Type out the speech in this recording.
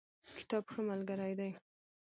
کتاب ښه ملګری دی